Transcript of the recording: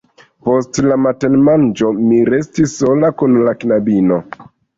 Post la matenmanĝo mi restis sola kun la knabino.